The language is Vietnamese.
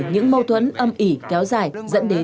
những mâu thuẫn âm ỉ kéo dài dẫn đến